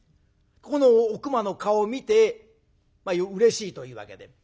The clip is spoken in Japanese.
ここのおくまの顔を見てうれしいというわけで。